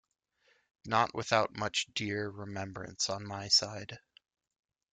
Not without much dear remembrance on my side.